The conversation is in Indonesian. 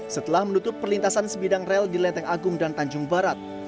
setelah menutup perlintasan sebidang rel di lenteng agung dan tanjung barat